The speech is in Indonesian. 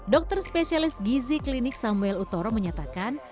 dokter spesialis gizi klinik samuel utoro menyatakan